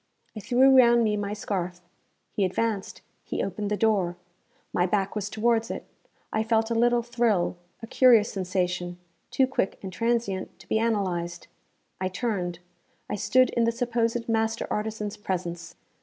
I threw round me my scarf. He advanced; he opened the door. My back was towards it. I felt a little thrill, a curious sensation, too quick and transient to be analysed. I turned, I stood in the supposed master artisan's presence.